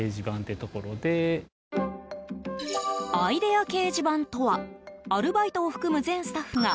アイデア掲示板とはアルバイトを含む全スタッフが